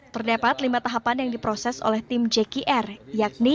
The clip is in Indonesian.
terdapat lima tahapan yang diproses oleh tim jkr yakni